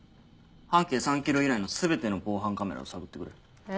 半径３ｋｍ以内の全ての防犯カメラを探ってくれ。え？